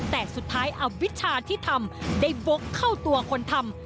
แต่สุดท้ายอับวิชาที่ทำได้บกเข้าตัวคนทำ